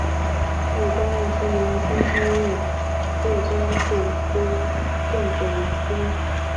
道光二十年春升任浙江处州镇总兵。